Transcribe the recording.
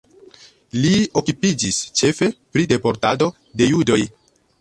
Li okupiĝis ĉefe pri deportado de judoj.